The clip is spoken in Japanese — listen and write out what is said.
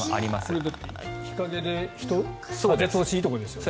これ、日陰で風通しがいいところですよね。